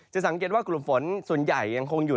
สังเกตว่ากลุ่มฝนส่วนใหญ่ยังคงอยู่